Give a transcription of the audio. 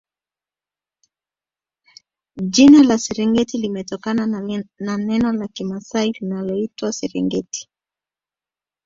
Jina la Serengeti limetokana na neno la kimasai linaloitwa Serengiti